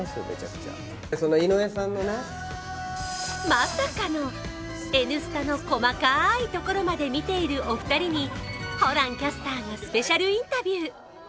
まさかの「Ｎスタ」の細かいところまで見ているお二人にホランキャスターがスペシャルインタビュー。